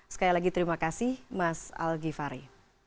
sekali lagi terima kasih mas al ghifari